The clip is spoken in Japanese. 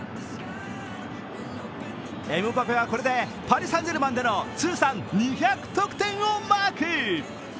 エムバペはこれでパリ・サン＝ジェルマンでの通算２００得点をマーク。